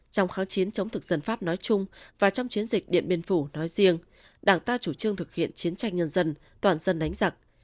trong kháng chiến chống thực dân pháp nói chung và trong chiến dịch điện biên phủ nói riêng đảng ta chủ trương thực hiện chiến tranh nhân dân toàn dân đánh giặc